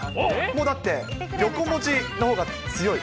もうだって、横文字のほうが強い。